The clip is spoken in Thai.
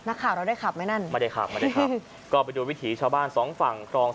นักข่าวเราได้ขับไหมนั่นไม่ได้ขับไม่ได้ขับก็ไปดูวิถีชาวบ้านสองฝั่งครอง